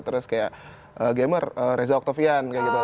terus kayak gamer reza oktavian kayak gitu